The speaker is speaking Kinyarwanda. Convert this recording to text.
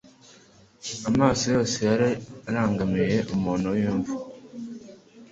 Amaso yose yari arangamiye umuntu w'imva.